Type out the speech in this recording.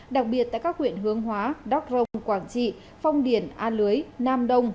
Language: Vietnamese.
đặc biệt tại các huyện hương hóa đóc rồng quảng trị phong điển an lưới nam đông